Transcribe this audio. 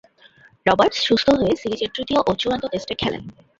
Roberts সুস্থ হয়ে সিরিজের তৃতীয় ও চূড়ান্ত টেস্টে খেলেন।